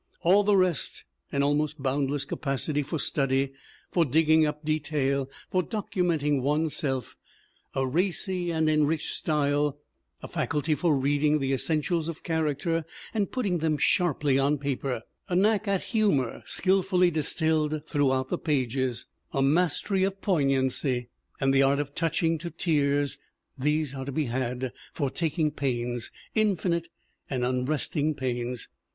All the rest an almost boundless capacity for study, for digging up detail, for documenting one's self ; a racy and enriched style ; a faculty for reading the essentials of character and putting them sharply on paper ; a knack at humor skill fully distilled throughout the pages; a mastery of 138 THE WOMEN WHO MAKE OUR NOVELS poignancy and the art of touching to tears these are to be had for taking pains, infinite and unresting pains.